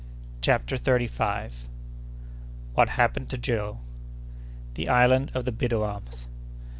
CHAPTER THIRTY FIFTH. What happened to Joe.—The Island of the Biddiomahs.